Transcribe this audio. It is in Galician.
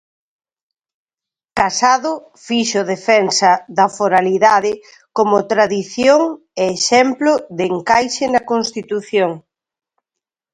Casado fixo defensa da foralidade como tradición e exemplo de encaixe na Constitución.